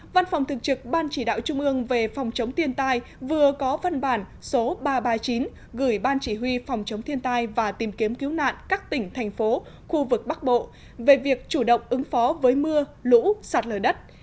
văn phòng thường trực ban chỉ đạo trung ương về phòng chống thiên tai vừa có văn bản số ba trăm ba mươi chín gửi ban chỉ huy phòng chống thiên tai và tìm kiếm cứu nạn các tỉnh thành phố khu vực bắc bộ về việc chủ động ứng phó với mưa lũ sạt lở đất